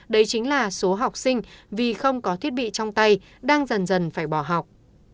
đấy chính là số học sinh vì không có thiết bị trong tay đang dần dần phải bỏ học